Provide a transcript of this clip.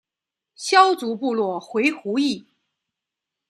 萧族部族回鹘裔。